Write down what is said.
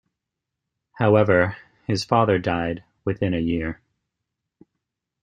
However, his father died within a year.